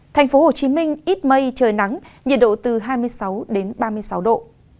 thành phố hồ chí minh ít mây trời nắng nhiệt độ từ hai mươi sáu đến ba mươi sáu độ